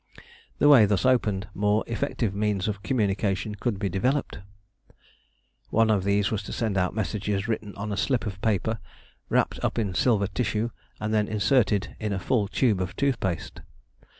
The way thus opened, more effective means of communication could be developed. One of these was to send out messages written on a slip of paper, wrapped up in silver tissue and then inserted in a full tube of tooth paste.